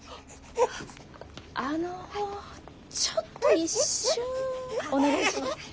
あのちょっと一瞬お願いします。